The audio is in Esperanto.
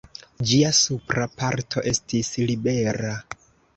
Ĝia supra parto estis libera.